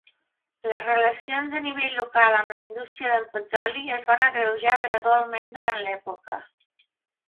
Les relacions a nivell local amb la indústria del petroli es van agrejar gradualment durant l'època.